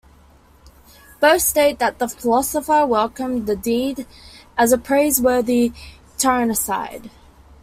Both state that the philosopher welcomed the deed as a praiseworthy tyrannicide.